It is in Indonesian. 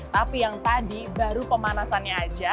tapi yang tadi baru pemanasannya aja